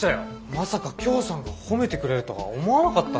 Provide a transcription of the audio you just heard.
まさかきょーさんが褒めてくれるとは思わなかったっすね。